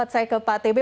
saya ke pak tb